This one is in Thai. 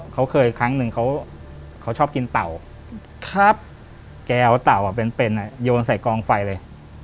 เขาเคยครั้งหนึ่งเขาชอบกินเต่าแกเอาเต่าเป็นโยนใส่กองไฟเลย